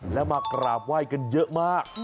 แล้วมากราบไหว้กันเยอะมาก